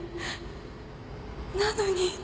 なのに。